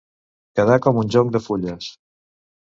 Quedar com un jonc de fulles.